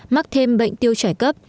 mắc thêm bệnh tiêu trải cấp